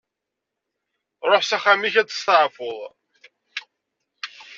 Ruḥ s axxam-ik ad testeɛfuḍ.